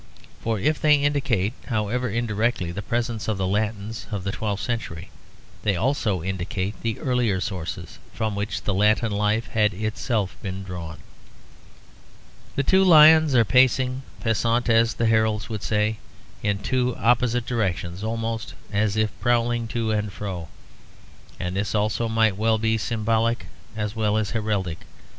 For if they indicate, however indirectly, the presence of the Latins of the twelfth century, they also indicate the earlier sources from which the Latin life had itself been drawn. The two lions are pacing, passant as the heralds would say, in two opposite directions almost as if prowling to and fro. And this also might well be symbolic as well as heraldic.